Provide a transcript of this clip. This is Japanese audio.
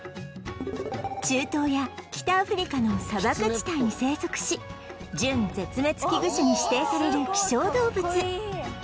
中東や北アフリカの砂漠地帯に生息し準絶滅危惧種に指定される希少動物